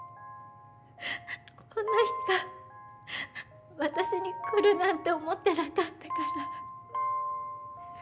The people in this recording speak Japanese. こんな日が私に来るなんて思ってなかったから。